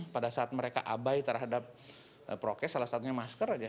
pada saat mereka abai terhadap prokes salah satunya masker aja